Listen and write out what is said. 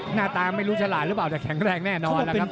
หน้าตาไม่รู้ฉลาดหรือเปล่าแต่แข็งแรงแน่นอนแล้วครับ